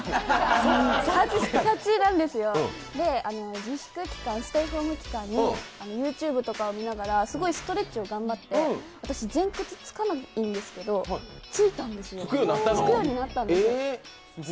カッチカチなんですよ、ステイホーム期間にＹｏｕＴｕｂｅとかを見ながらすごいストレッチを頑張って前屈つかないんですけど、つくようになったんです。